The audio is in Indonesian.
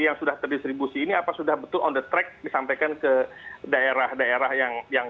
yang sudah terdistribusi ini apa sudah betul on the track disampaikan ke daerah daerah yang